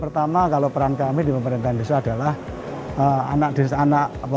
pertama kalau peran kami di pemerintahan desa adalah